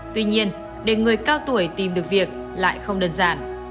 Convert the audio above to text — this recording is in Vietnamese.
tuy nhiên để người cao tuổi tìm được việc lại không đơn giản